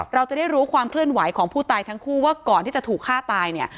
เราจะได้รู้ความเคลื่อนไหวของผู้ตายทั้งคู่ว่าก่อนที่จะถูกฆ่าตายเนี่ย